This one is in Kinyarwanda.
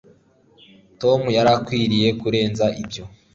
tom yari akwiriye kurenza ibyo